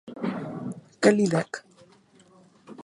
Què li dec?